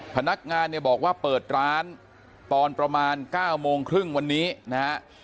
พนักงานเนี่ยบอกว่าเปิดร้านตอนประมาณ๙โมงครึ่งวันนี้นะฮะ